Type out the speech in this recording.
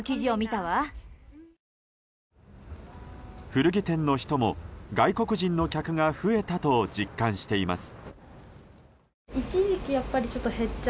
古着店の人も、外国人の客が増えたと実感しています。